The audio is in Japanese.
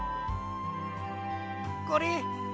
これ。